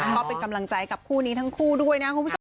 ก็เป็นกำลังใจกับคู่นี้ทั้งคู่ด้วยนะ